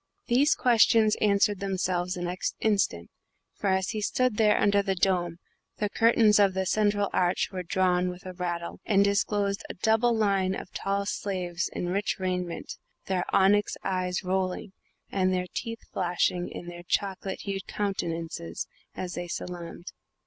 These questions answered themselves the next instant, for, as he stood there under the dome, the curtains of the central arch were drawn with a rattle, and disclosed a double line of tall slaves in rich raiment, their onyx eyes rolling and their teeth flashing in their chocolate hued countenances, as they salaamed.